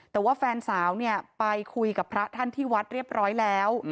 แต่ว่าแฟนสาวเนี่ยไปคุยกับพระท่านที่วัดเรียบร้อยแล้ว